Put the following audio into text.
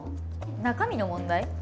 中身の問題？